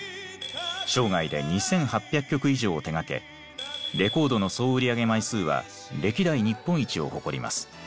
生涯で２，８００曲以上を手がけレコードの総売上枚数は歴代日本一を誇ります。